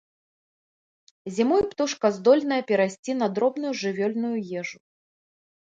Зімой птушка здольная перайсці на дробную жывёльную ежу.